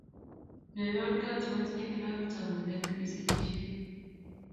Nyoiwan kat matinye kilamit ab ngulek nikisirisie